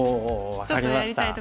分かりました。